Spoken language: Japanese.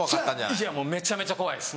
いやもうめちゃめちゃ怖いです。